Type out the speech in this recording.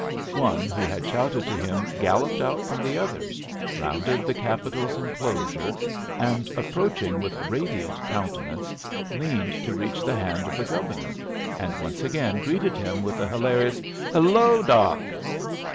One who had shouted to him galloped out from the others, rounded the Capitol's enclosure, and, approaching with radiant countenance leaned to reach the hand of the Governor, and once again greeted him with a hilarious "Hello, Doc!"